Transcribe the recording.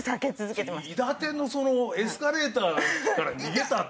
『いだてん』のエスカレーターから逃げたっていうのは。